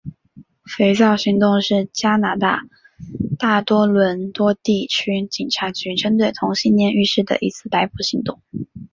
肥皂行动是加拿大大多伦多地区警察局针对同性恋浴室的一次逮捕行动。